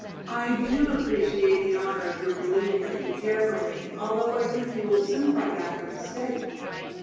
I do appreciate the honor of your believing that you care for me, although I think you will soon find out your mistake.